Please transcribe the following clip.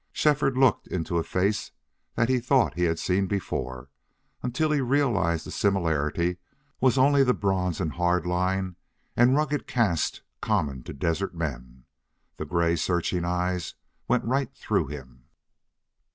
Shefford looked into a face that he thought he had seen before, until he realized the similarity was only the bronze and hard line and rugged cast common to desert men. The gray searching eyes went right through him.